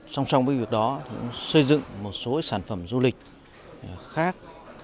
song song với việc đó xây dựng một số sản phẩm du lịch khác